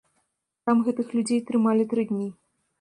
Там гэтых людзей трымалі тры дні.